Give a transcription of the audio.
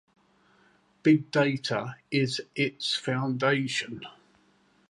Big data is its foundation.